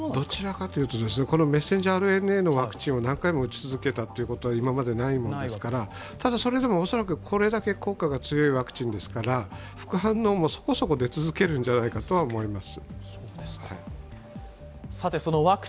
このメッセンジャーＲＮＡのワクチンを何回も打ち続けたことはないのでただそれでもこれだけ効果が強いワクチンですから、副反応もそこそこ出続けるんじゃないかと思います。